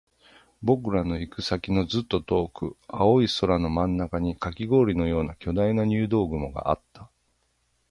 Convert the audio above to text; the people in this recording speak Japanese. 僕らの行く先のずっと遠く、青い空の真ん中にカキ氷のような巨大な入道雲があった